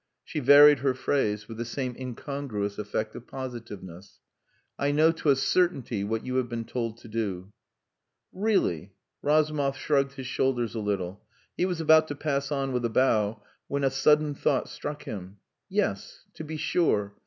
She varied her phrase, with the same incongruous effect of positiveness. "I know to a certainty what you have been told to do." "Really?" Razumov shrugged his shoulders a little. He was about to pass on with a bow, when a sudden thought struck him. "Yes. To be sure!